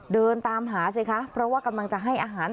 เดินตามหาสิคะเพราะว่ากำลังจะให้อาหาร